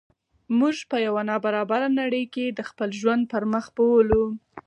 موږ په یوه نا برابره نړۍ کې د خپل ژوند پرمخ بوولو.